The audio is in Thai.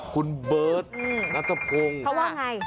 คุณเบิร์ดนัตกพงศ์เขาว่าอย่างไร